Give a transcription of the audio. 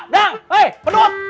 dang hei pedut